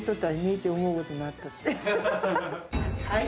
はい。